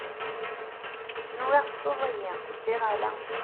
Nwiɣ tettuḍ-iyi ziɣ ala.